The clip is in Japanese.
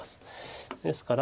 ですから。